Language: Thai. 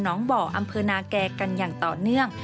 น้องบ่ออำเภอนาแก่กันอย่างต่อเนื่อง